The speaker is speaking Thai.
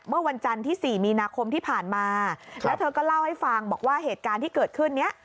เมื่อวันจันทร์ที่๔มีนาคมที่ผ่านมาแล้วเธอก็เล่าให้ฟังบอกว่าเหตุการณ์ที่เกิดขึ้นเนี้ย